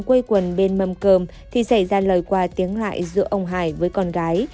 quây quần bên mâm cơm thì xảy ra lời qua tiếng lại giữa ông hải với con gái